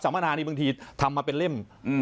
มนานี่บางทีทำมาเป็นเล่ม